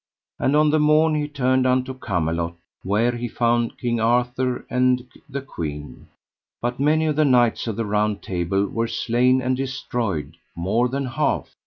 And on the morn he turned unto Camelot, where he found King Arthur and the queen. But many of the knights of the Round Table were slain and destroyed, more than half.